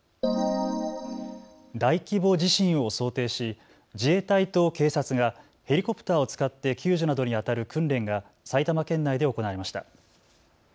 大規模地震を想定し自衛隊と警察がヘリコプターを使って救助などにあたる訓練が埼玉県内で行われました。